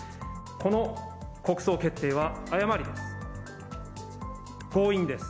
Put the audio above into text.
この国葬決定は誤りです。